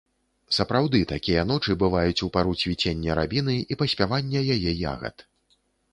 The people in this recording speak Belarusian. Сапраўды, такія ночы бываюць у пару цвіцення рабіны і паспявання яе ягад.